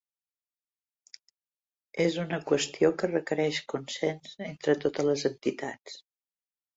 És una qüestió que requereix consens entre totes les entitats.